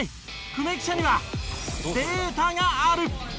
久米記者にはデータがある！